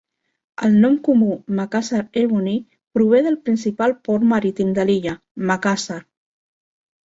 El nom comú Makassar ebony prové del principal port marítim de l'illa, Makassar.